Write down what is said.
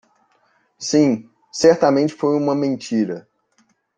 Sim; Certamente foi uma mentira.